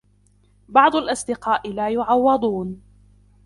بعض الأصدقاء لا يُعوّضون